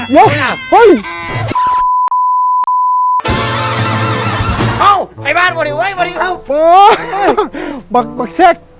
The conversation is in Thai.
จ้าเหรอ